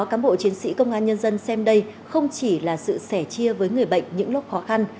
cám bộ chiến sĩ công an nhân dân xem đây không chỉ là sự sẻ chia với người bệnh những lúc khó khăn